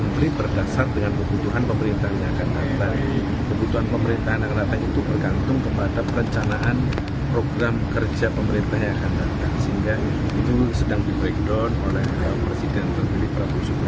jadi kita tetap berpikir